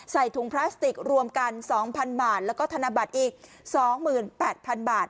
ใส่ถุงพลาสติกรวมกันสองพันบาทแล้วก็ธนบัตรอีกสองหมื่นแปดพันบาท